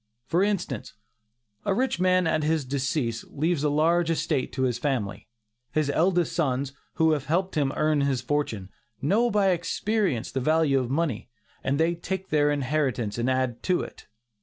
For instance, a rich man at his decease, leaves a large estate to his family. His eldest sons, who have helped him earn his fortune, know by experience the value of money, and they take their inheritance and add to it.